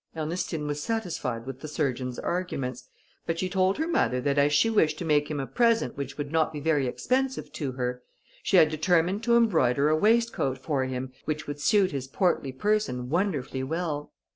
Ernestine was satisfied with the surgeon's arguments, but she told her mother that as she wished to make him a present which would not be very expensive to her, she had determined to embroider a waistcoat for him, which would suit his portly person wonderfully well.